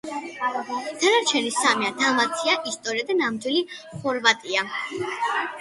დანარჩენი სამია: დალმაცია, ისტრია და ნამდვილი ხორვატია.